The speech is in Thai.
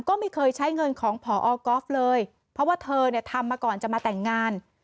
ก็ไม่เคยใช้เงินของพอก๊อฟเลยเพราะว่าเธอเนี่ยทำมาก่อนจะมาแต่งงาน